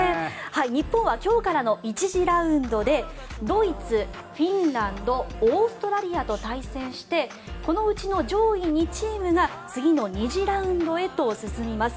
日本は今日からの１次ラウンドでドイツ、フィンランドオーストラリアと対戦してこのうちの上位２チームが次の２次ラウンドへと進みます。